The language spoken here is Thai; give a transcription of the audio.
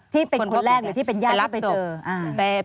เป็นคนแรกหรือที่เป็นญาติแล้วไปเจอ